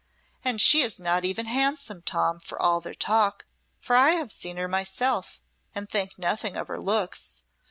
And she is not even handsome, Tom, for all their talk, for I have seen her myself and think nothing of her looks.